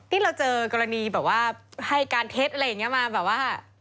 ที่เราเจอกรณีแบบว่าให้การเท็จอะไรอย่างนี้มาแบบว่า